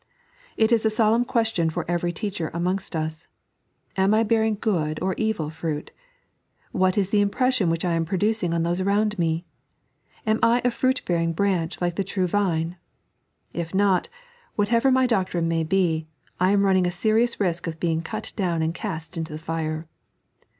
It is a solemn question for every teacher amongst us : "Am I bearing good or evil fruit) What is the im pression which 1 am producing on those around me ) Am I a fruit bearing branch in the True Vine ) If not, what ever my doctrine may be, I am running a serious risk of being cut down and cast into the fire."